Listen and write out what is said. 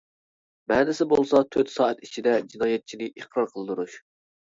مەنىسى بولسا تۆت سائەت ئىچىدە جىنايەتچىنى ئىقرار قىلدۇرۇش!